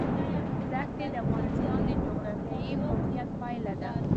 دښتې د افغانستان د جغرافیایي موقیعت پایله ده.